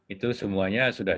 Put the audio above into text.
itu semuanya sudah